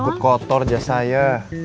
takut kotor aja saya